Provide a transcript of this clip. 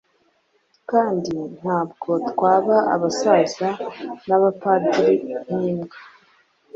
Kandi ntabwo twaba Abasaza n'Abapadiri nk'imbwa;